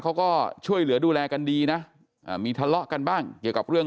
เขาก็ช่วยเหลือดูแลกันดีนะอ่ามีทะเลาะกันบ้างเกี่ยวกับเรื่อง